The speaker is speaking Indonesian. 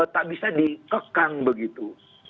tak bisa dikekang begitu